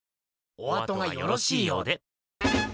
おあとがよろしいようで。